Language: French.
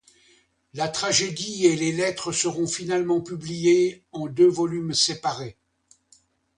La tragédie et les lettres seront finalement publiées en deux volumes séparés.